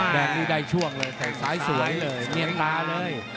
แดงนี้ได้ช่วงเลยแต่งซ้ายสวยเลยเนียนตาเลย